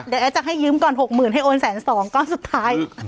เดี๋ยวแอดจะให้ยืมก่อน๖๐๐๐ให้โอนแสนสองก้อนสุดท้าย